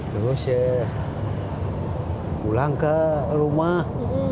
terus pulang ke rumah